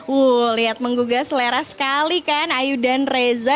wuh lihat menggugah selera sekali kan ayu dan reza